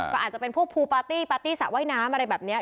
ก็อาจจะเป็นพวกภูปาร์ตี้ปาร์ตี้สระว่ายน้ำอะไรแบบนี้